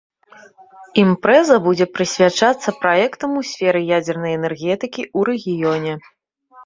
Імпрэза будзе прысвячацца праектам у сферы ядзернай энергетыкі ў рэгіёне.